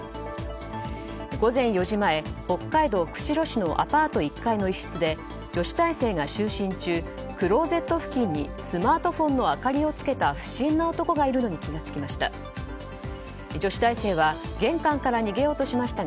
午前４時前北海道釧路市のアパート１階の一室で女子大生が就寝中クローゼット付近にスマートフォンの明かりをつけた不審な男がいるのに気が付きました。